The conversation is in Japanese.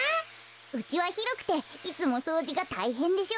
うちはひろくていつもそうじがたいへんでしょ。